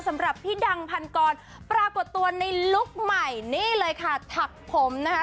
สำหรับพี่ดังพันกรปรากฏตัวในลุคใหม่นี่เลยค่ะถักผมนะคะ